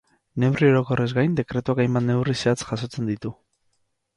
Neurri orokorrez gain, dekretuak hainbat neurri zehatz jasotzen ditu.